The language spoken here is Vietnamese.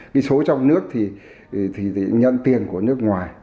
cái số trong nước thì nhận tiền của nước ngoài